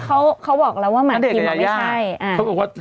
เพราะพี่เก๊บคิ่งว่ามาร์เกษฐีเหมือนกัน